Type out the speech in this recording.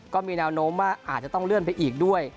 ก็มีแนวโน้มว่าอาจจะต้องเลื่อนไปอีกด้วย